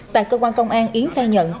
tại cơ quan công an yến khai nhận